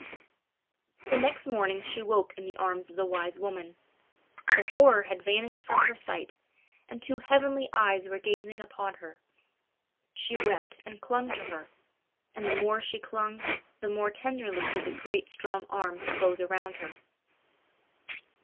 The next morning she woke in the arms of the wise woman; the horror had vanished from her sight, and two heavenly eyes were gazing upon her. She wept and clung to her, and the more she clung, the more tenderly did the great strong arms close around her.